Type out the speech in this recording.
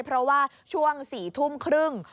เพราะว่าช่วง๔ทุ่มครึ่ง